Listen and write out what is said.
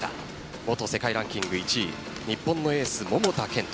元世界ランキング１位日本のエース・桃田賢斗。